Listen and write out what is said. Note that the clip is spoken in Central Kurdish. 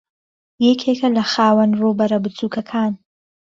یەکێکە لە خاوەن ڕووبەرە بچووکەکان